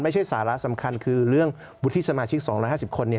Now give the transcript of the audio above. ไม่ใช่สาระสำคัญคือเรื่องวุฒิสมาชิก๒๕๐คน